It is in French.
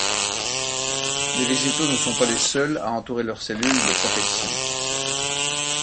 Les végétaux ne sont pas les seuls à entourer leurs cellules de protections.